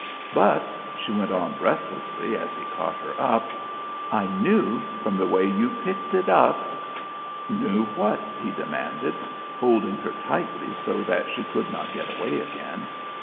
But," she went on breathlessly as he caught her up, "I knew from the way you picked it up " "Knew what?" he demanded, holding her tightly so that she could not get away again.